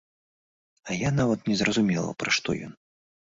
А я нават не зразумела, пра што ён!